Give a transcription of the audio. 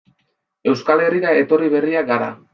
Euskal Herrira etorri berriak gara.